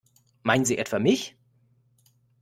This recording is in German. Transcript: Meinen Sie etwa mich?